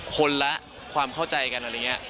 คนละความเข้าใจกัน